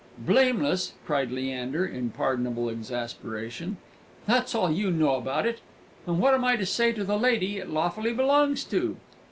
"Blameless!" cried Leander, in pardonable exasperation. "That's all you know about it! And what am I to say to the lady it lawfully belongs to?"